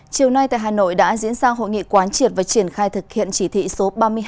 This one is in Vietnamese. chiều nay tại hà nội đã diễn ra hội nghị quán triệt và triển khai thực hiện chỉ thị số ba mươi hai